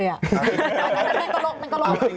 เนี่ยมันก็ลกมันก็ลก